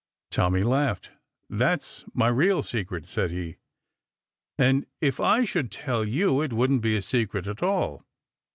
Tommy laughed. "That's my real secret," said he, "and if I should tell you it wouldn't be a secret at all.